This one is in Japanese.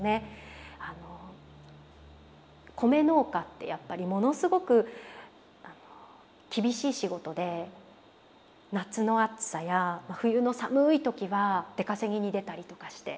米農家ってやっぱりものすごく厳しい仕事で夏の暑さや冬の寒い時は出稼ぎに出たりとかして。